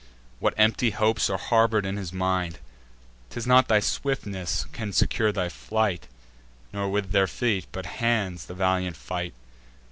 What empty hopes are harbour'd in his mind? 'Tis not thy swiftness can secure thy flight; Not with their feet, but hands, the valiant fight.